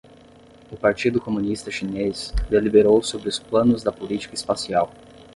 O Partido Comunista Chinês deliberou sobre os planos da política espacial